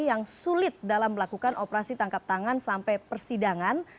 yang sulit dalam melakukan operasi tangkap tangan sampai persidangan